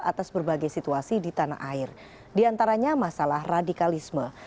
atas berbagai situasi di tanah air diantaranya masalah radikalisme